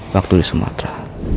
waktu di sumatera